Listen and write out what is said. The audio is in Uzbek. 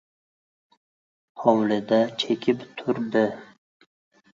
Hovlida chekib turdi.